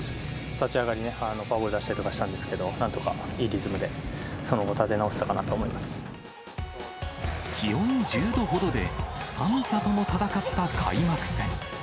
立ち上がりね、フォアボール出したりとかしたんですけど、いいリズムでその後、気温１０度ほどで、寒さとも闘った開幕戦。